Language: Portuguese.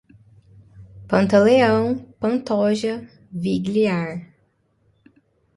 Pantaleão, Pantoja, Vigliar